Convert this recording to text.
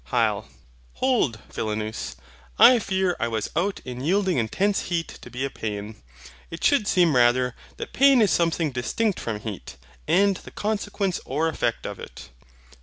HYL. Hold, Philonous, I fear I was out in yielding intense heat to be a pain. It should seem rather, that pain is something distinct from heat, and the consequence or effect of it.